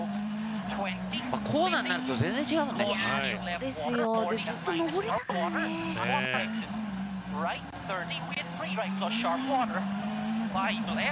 コーナーになると全然違うね。